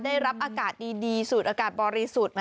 ได้รับอากาศดีสูดอากาศบริสุทธิ์